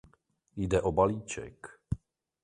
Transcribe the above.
Jde o balíček.